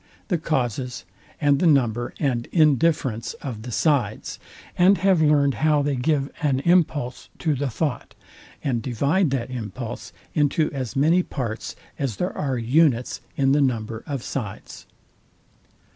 the causes, and the number and indifference of the sides, and have learned how they give an impulse to the thought, and divide that impulse into as many parts as there are unites in the number of sides.